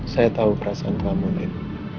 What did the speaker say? saya tahu perasaan kamu dit